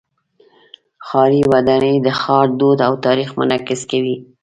ښاري ودانۍ د ښار دود او تاریخ منعکس کوي.